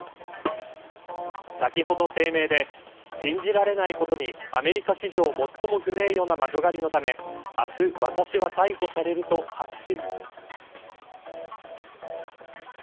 先ほど、声明で信じられないことにアメリカ史上、最も不名誉な魔女狩りのため明日、私は逮捕されると発信。